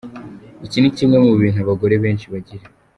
Iki ni kimwe mu bintu abagore benshi bagira.